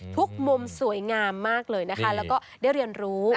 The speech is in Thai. ทุกมมสวยงามมากเลยแล้วก็ได้เรียนรู้